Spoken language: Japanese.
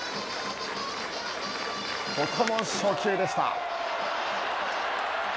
ここも初球でした。